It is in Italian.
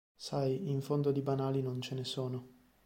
Sai, in fondo di banali non ce ne sono.